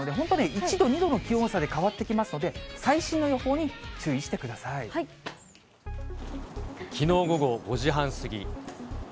１度、２度の気温差で変わってきますので、最新の予報に注意してきのう午後５時半過ぎ。